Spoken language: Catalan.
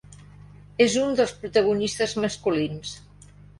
És un dels protagonistes masculins.